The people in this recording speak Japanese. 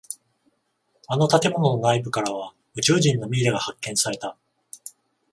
あの建物の内部からは宇宙人のミイラが発見された。